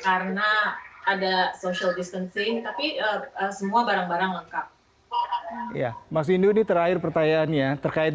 karena ada social distancing tapi semua barang barang lengkap ya maksud terakhir pertanyaannya terkait